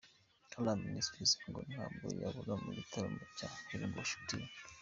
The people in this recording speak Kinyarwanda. Alarm Ministries ngo ntabwo babura mu gitaramo cya Healing worship team.